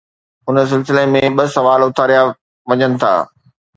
ان سلسلي ۾ ٻه سوال اٿاريا وڃن ٿا.